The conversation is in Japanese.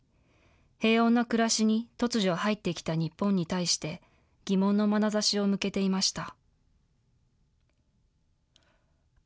平穏な暮らしに突如入ってきた日本に対して、疑問のまなざしを向けていました。